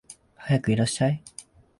はやくいらっしゃい